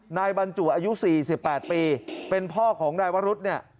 นายบรรจุอายุ๔๘ปีเป็นพ่อของนายวรุษเนี่ย